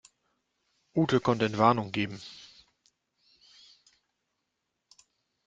Ute konnte Entwarnung geben.